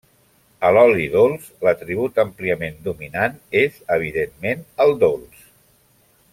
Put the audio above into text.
A l'oli dolç, l'atribut àmpliament dominant és, evidentment, el dolç.